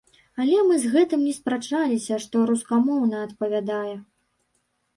Але мы з гэтым не спрачаліся, што рускамоўная адпавядае.